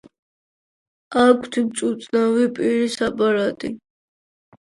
აქვთ მწუწნავი პირის აპარატი.